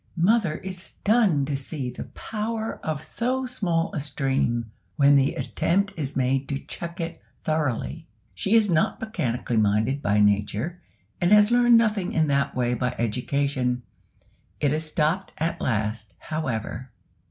Mother is stunned to see the power of so small a stream when the attempt is made to check it thoroughly; she is not mechanically minded by nature, and has learned nothing in that way by education. It is stopped at last, however.